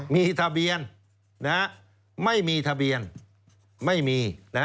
มีทะเบียนไม่มีทะเบียนไม่มี